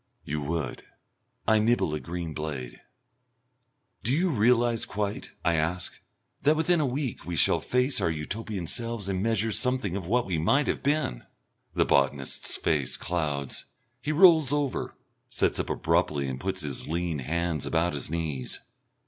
"You would." I nibble a green blade. "Do you realise quite," I ask, "that within a week we shall face our Utopian selves and measure something of what we might have been?" The botanist's face clouds. He rolls over, sits up abruptly and puts his lean hands about his knees.